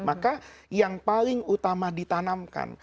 maka yang paling utama ditanamkan